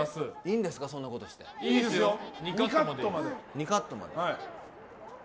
２カットまで。